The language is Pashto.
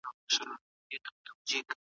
نه خمار مي د چا مات کړ، نه نشې مي کړلې مستې